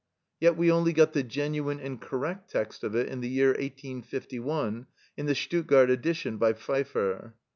Yet we only got the genuine and correct text of it in the year 1851, in the Stuttgart edition by Pfeiffer.